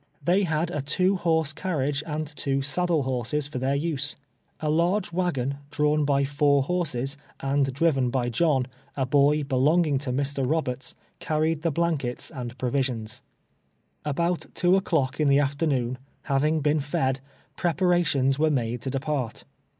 Thev had a two horse carria2:c and two sad die horses I'or their use. A large wagon, drawn by four horses, and driven by John, a boy belonging to Mr. Iloberts, carried the blankets and jjrovisions. About 2 o'clock in the afternoon, having l>een fed, preparations were made to depart.